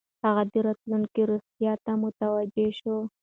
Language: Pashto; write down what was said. هغه د راتلونکې روغتیا ته متوجه شو.